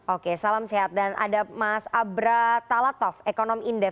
oke salam sehat dan ada mas abra talatov ekonom indef